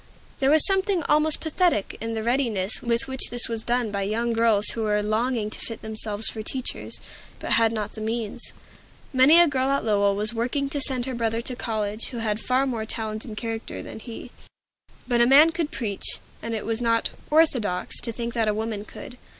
There was something almost pathetic in the readiness with which this was done by young girls who were longing to fit themselves for teachers, but had not the means. Many a girl at Lowell was working to send her brother to college, who had far more talent and character than he; but a man could preach, and it was not "orthodox" to think that a woman could.